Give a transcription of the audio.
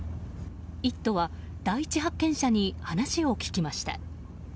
「イット！」は第一発見者に話を聞きました。